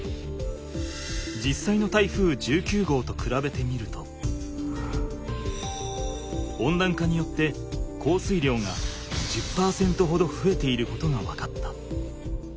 じっさいの台風１９号とくらべてみると温暖化によって降水量が１０％ほどふえていることが分かった。